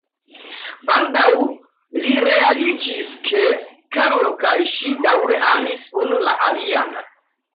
Baldaŭ li realiĝis ke Karlo kaj ŝi daŭre amis unu la alian.